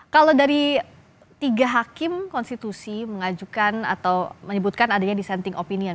kalau dari tiga hakim konstitusi mengajukan atau menyebutkan adanya dissenting opinion